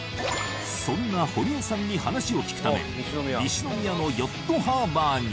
そんな堀江さんに話を聞くため西宮のヨットハーバーに。